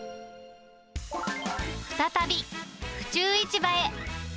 再び、府中市場へ。